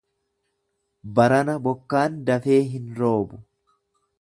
Barana bokkaan dafee hin roobu.